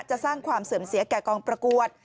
สร้างความเสื่อมเสียแก่กองประกวด